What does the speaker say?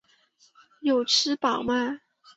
有吃饱吗？